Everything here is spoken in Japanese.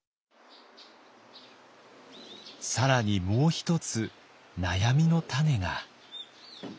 更にもう一つ悩みの種が。